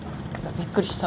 びっくりした。